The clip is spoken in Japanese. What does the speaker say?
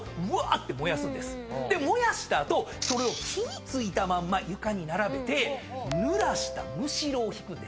燃やした後それを火付いたまんま床に並べてぬらしたむしろを敷くんです。